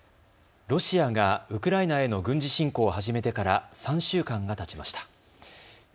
ロシアがウクライナへの軍事侵攻を始めてから３週間がたちました。